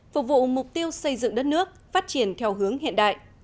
phục vụ mục tiêu xây dựng đất nước phát triển theo hướng hiện đại